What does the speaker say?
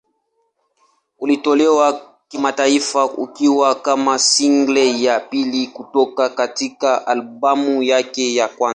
Ulitolewa kimataifa ukiwa kama single ya pili kutoka katika albamu yake ya kwanza.